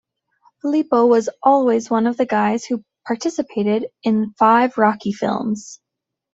Filippo was also one of the guys who participated in five Rocky films.